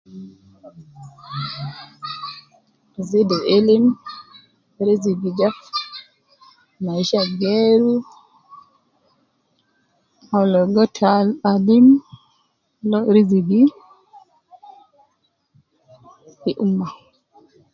Zidu ilim, rizigi ja fi, maisha geeru, mon logo ta alim, mon rizigi ,fi umma